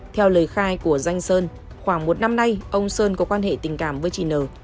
theo lời khai của danh sơn khoảng một năm nay ông sơn có quan hệ tình cảm với chị n